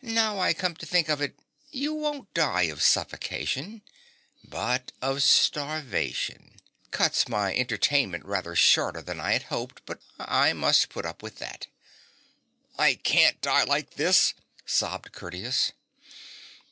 Now I come to think of it, you won't die of suffocation, but of starvation. Cuts my entertainment rather shorter than I had hoped, but I must put up with that.' ' I can't die like this,' sobbed Curtius.